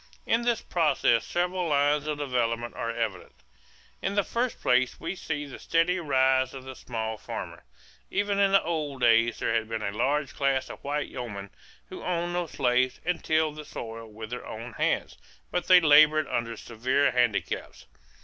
In this process several lines of development are evident. In the first place we see the steady rise of the small farmer. Even in the old days there had been a large class of white yeomen who owned no slaves and tilled the soil with their own hands, but they labored under severe handicaps.